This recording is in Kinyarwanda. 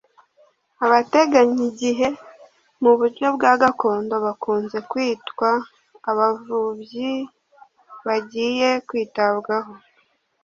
Abateganya igihe mu buryo bwa gakondo bakunze kwitwa abavubyi bagiye kwitabwaho